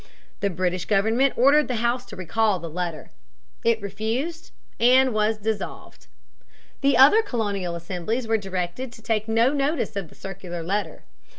The British government ordered the House to recall the letter. It refused and was dissolved. The other colonial assemblies were directed to take no notice of the circular letter.